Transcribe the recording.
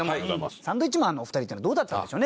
サンドウィッチマンのお二人っていうのはどうだったんでしょうね